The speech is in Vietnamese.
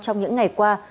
trong những ngày qua